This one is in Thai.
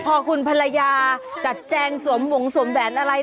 พอคุณภรรยากัดแจงสวมหวงสวมแหวนอะไร